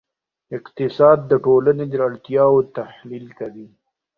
اقتصاد د ټولنې د اړتیاوو تحلیل کوي.